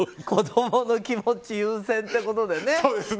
子供の気持ち優先ってことで。